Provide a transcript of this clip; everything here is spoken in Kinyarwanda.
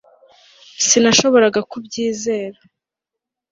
Sinashoboraga kubyizera